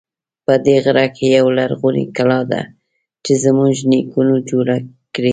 په دې غره کې یوه لرغونی کلا ده چې زمونږ نیکونو جوړه کړی و